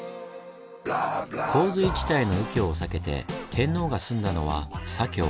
洪水地帯の右京を避けて天皇が住んだのは左京。